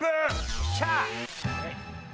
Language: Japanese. よっしゃ！